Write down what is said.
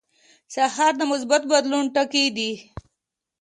سهار د مثبت بدلون ټکي دي.